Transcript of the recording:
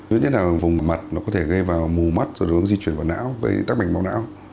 thứ nhất là vùng mặt nó có thể gây vào mù mắt rồi nó cũng di chuyển vào não gây tác bệnh máu não